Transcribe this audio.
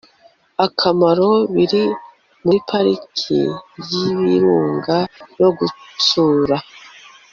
akamaro biri muri Pariki y ibirunga no gutsura